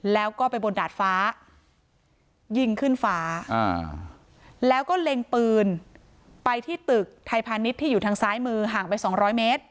แล้วก็ไปบนดาดฟ้ายิงขึ้นฟ้าแล้วก็เล็งปืนไปที่ตึกไทยพาณิชย์ที่อยู่ทางซ้ายมือห่างไป๒๐๐เมตร